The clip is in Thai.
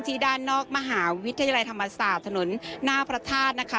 ด้านนอกมหาวิทยาลัยธรรมศาสตร์ถนนหน้าพระธาตุนะคะ